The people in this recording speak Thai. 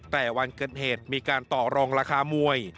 แต่วันเกิดเหตุมีการต่อรองราคามวย